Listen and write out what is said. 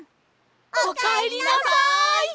おかえりなさい！